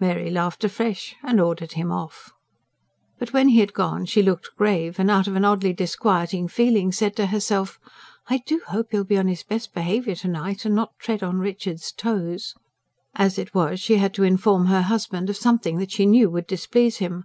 Mary laughed afresh, and ordered him off. But when he had gone she looked grave, and out of an oddly disquieting feeling said to herself: "I do hope he'll be on his best behaviour to night, and not tread on Richard's toes." As it was, she had to inform her husband of something that she knew would displease him.